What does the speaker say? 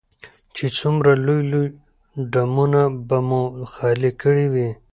چې څومره لوی لوی ډرمونه به مو خالي کړي وي.